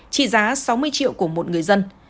trị giá sáu mươi triệu của một người dân